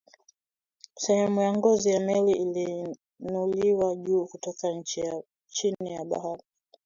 sehemu ya ngozi ya meli iliinuliwa juu kutoka chini ya bahari